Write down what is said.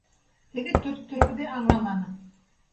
Теге төрттөрөүҙе аңламаны: